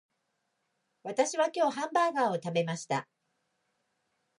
私は今日ハンバーガーを食べました